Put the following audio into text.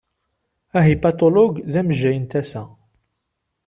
Ahipatulog d amejjay n tasa.